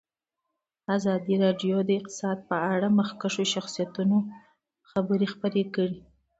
ازادي راډیو د اقتصاد په اړه د مخکښو شخصیتونو خبرې خپرې کړي.